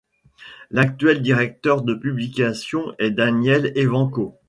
L'actuel directeur de publication est Daniel Evanko.